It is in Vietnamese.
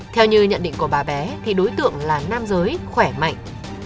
theo như nhận định của bà bé thì đối tượng là nam giới khỏe mạnh